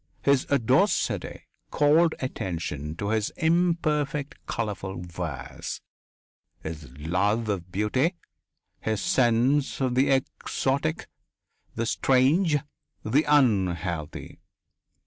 His audacity called attention to his imperfect, colourful verse, his love of beauty, his sense of the exotic, the strange, the unhealthy.